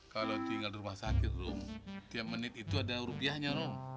kalau tinggal di rumah sakit dong tiap menit itu ada rupiahnya dong